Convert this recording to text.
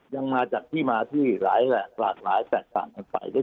ยังมาจากที่หลายแหลกหลายแสดค่า